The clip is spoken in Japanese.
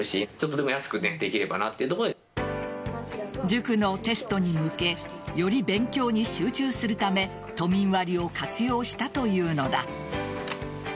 塾のテストに向けより勉強に集中するため都民割を活用したというのだ。